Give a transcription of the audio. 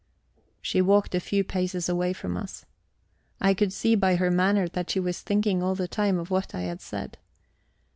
She walked a few paces away from us. I could see by her manner that she was thinking all the time of what I had said.